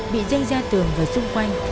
bị dây ra tường và xung quanh